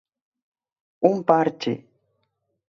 ¡Un parche!